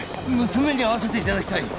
娘に会わせて頂きたい。